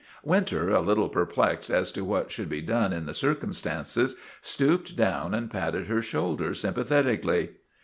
Winter, a little perplexed as to what should be done in the circumstances, stooped down and patted her shoulder sympathetically.